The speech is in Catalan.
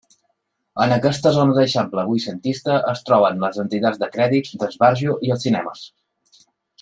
En aquesta zona d'eixample vuitcentista es troben les entitats de crèdit, d'esbarjo i els cinemes.